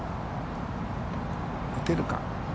打てるか。